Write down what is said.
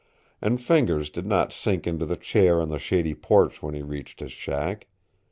And Fingers did not sink into the chair on the shady porch when he reached his shack.